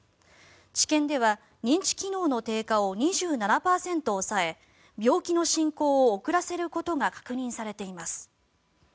治験では認知機能の低下を２７％抑え病気の進行を遅らせることが確認されています。